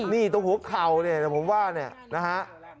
นี่ตรงหัวเข่าผมว่านะฮะ